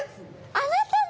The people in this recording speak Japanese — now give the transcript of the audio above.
あなたね。